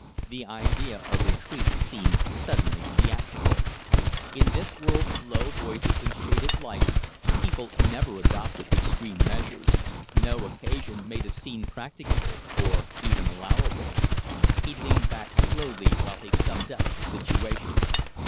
The idea of retreat seemed suddenly theatrical. In this world of low voices and shaded lights people never adopted extreme measures no occasion made a scene practicable, or even allowable. He leaned back slowly, while he summed up the situation.